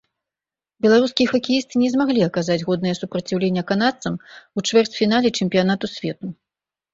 Беларускія хакеісты не змаглі аказаць годнае супраціўленне канадцам у чвэрцьфінале чэмпіянату свету.